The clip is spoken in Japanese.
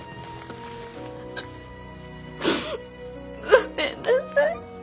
ごめんなさい。